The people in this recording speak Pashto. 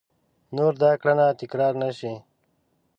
نور دا کړنه تکرار نه شي !